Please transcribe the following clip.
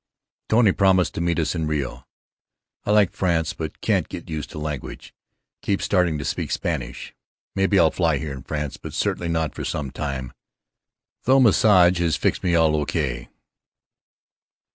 Tony promised to meet us in Rio. I like France but can't get used to language, keep starting to speak Spanish. Maybe I'll fly here in France but certainly not for some time, though massage has fixed me all O.K.